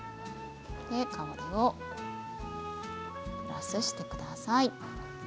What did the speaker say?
香りをプラスしてください。